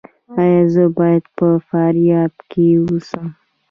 ایا زه باید په فاریاب کې اوسم؟